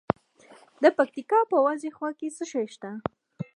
د پکتیکا په وازیخوا کې څه شی شته؟